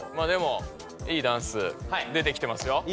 でもいいダンス出てきてますよ。